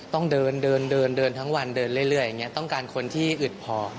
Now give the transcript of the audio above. ต้องเดินทั้งวันเดินเรื่อยต้องการคนที่อึดพอ